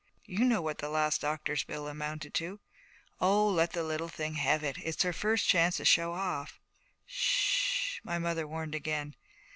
You know what the last doctor's bill amounted to.' 'Oh, let the little thing have it. It's her first chance to show off.' 'S sh,' my mother warned again.